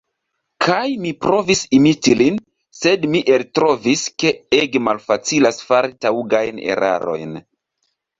Kaj mi provis imiti lin, sed mi eltrovis ke ege malfacilas fari taŭgajn erarojn.